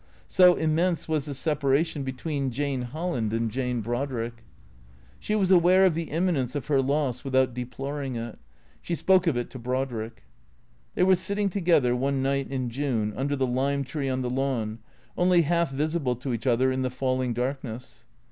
So immense was the separation between Jane Holland and Jane Brodrick. She was aware of the imminence of her loss without deploring it. She spoke of it to Brodrick. They were sitting together, one night in June, under the lime tree on the lawn, only half visible to each other in the falling darkness.